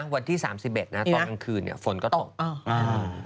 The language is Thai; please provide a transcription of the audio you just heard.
วันที่๓๑นะตอนกลางคืนฝนก็ตก